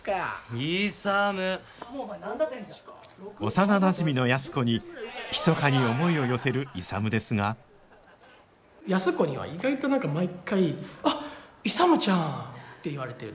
幼なじみの安子にひそかに思いを寄せる勇ですが安子には意外と何か毎回「あっ勇ちゃん」って言われてる。